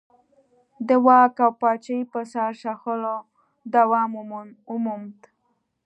د واک او پاچاهۍ پر سر شخړو دوام وموند.